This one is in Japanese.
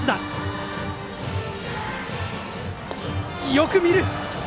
よく見る！